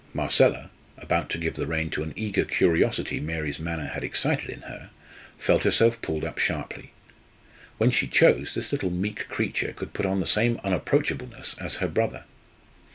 Marcella, about to give the rein to an eager curiosity Mary's manner had excited in her, felt herself pulled up sharply. When she chose, this little meek creature could put on the same unapproachableness as her brother.